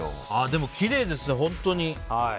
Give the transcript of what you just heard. でもきれいですね、本当に。